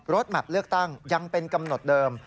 แมพเลือกตั้งยังเป็นกำหนดเดิม